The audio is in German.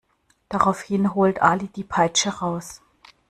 Daraufhin holt Ali die Peitsche raus.